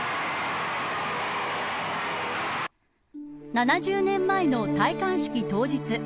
７０年前の戴冠式当日。